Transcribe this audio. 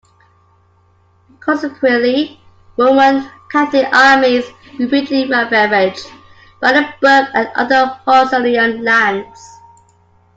Consequently, Roman Catholic armies repeatedly ravaged Brandenburg and other Hohenzollern lands.